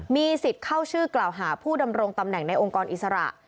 มีสิทธิ์เข้าชื่อกล่าวหาผู้ดำรงตำแหน่งในองค์กรอิสระ